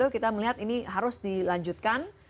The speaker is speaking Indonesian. kita melihat ini harus dilanjutkan